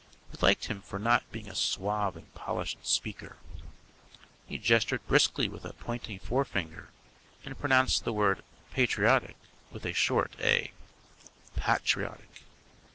We liked him for not being a suave and polished speaker. He gestured briskly with a pointing forefinger, and pronounced the word patriotic with a short A "pattriotic."